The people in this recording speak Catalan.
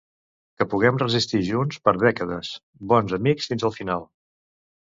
Que puguem resistir junts per dècades, bons amics fins el final.